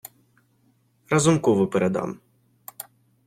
Разумкову передам.